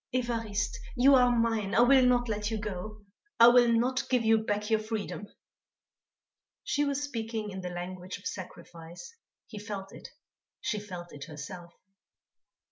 "Évariste, you are mine, I will not let you go; I will not give you back your freedom." She was speaking in the language of sacrifice. He felt it; she felt it herself.